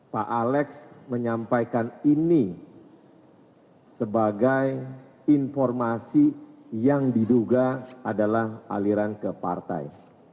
pak alex menyampaikan ini sebagai informasi yang diduga adalah aliran ke partai